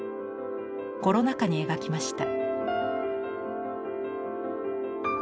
コロナ禍に描きました。